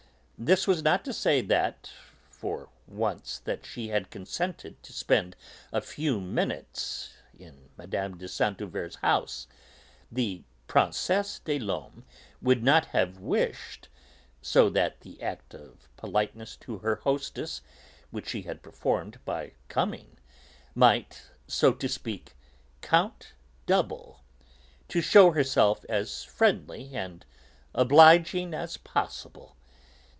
This was not to say that, for once that she had consented to spend a few minutes in Mme. de Saint Euverte's house, the Princesse des Laumes would not have wished (so that the act of politeness to her hostess which she had performed by coming might, so to speak, 'count double') to shew herself as friendly and obliging as possible.